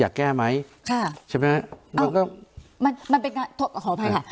อยากแก้ไหมค่ะใช่ไหมอ้าวมันก็มันมันเป็นขอโทษภัยค่ะ